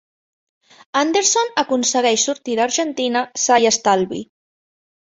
Anderson aconsegueix sortir d'Argentina sa i estalvi.